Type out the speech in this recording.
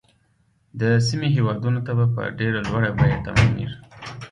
د سیمې هیوادونو ته به په ډیره لویه بیعه تمامیږي.